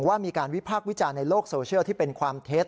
ว่ามีการวิพากษ์วิจารณ์ในโลกโซเชียลที่เป็นความเท็จ